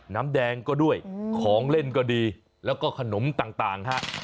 น้ำแดงก็ด้วยของเล่นก็ดีแล้วก็ขนมต่างฮะ